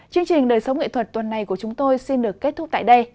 chương trình đời sống nghệ thuật tuần này của chúng tôi xin được kết thúc tại đây